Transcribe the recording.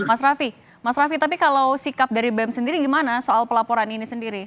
mas raffi mas raffi tapi kalau sikap dari bem sendiri gimana soal pelaporan ini sendiri